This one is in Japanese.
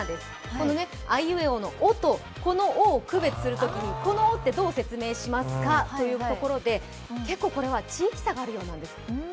このあいうえおの「お」とこの「を」を区別するときにどう表現しますかということで結構これは地域差があるようなんです。